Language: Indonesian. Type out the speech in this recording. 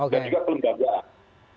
dan juga perlembagaan